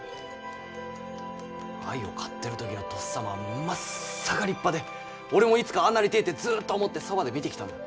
藍を買ってる時のとっさまはまっさか立派で俺もいつかああなりてぇってずっと思ってそばで見てきたんだ。